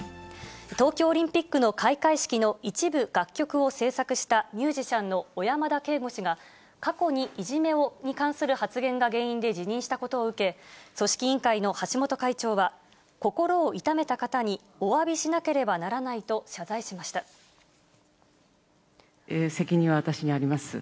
東京オリンピックの開会式の一部楽曲を制作したミュージシャンの小山田圭吾氏が過去にいじめに関する発言が原因で辞任したことを受け、組織委員会の橋本会長は、心を痛めた方におわびしなければ責任は私にあります。